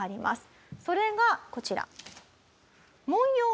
それがこちら。